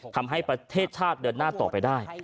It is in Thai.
ทำให้ประเทศชาติเดินหน้าต่อไปได้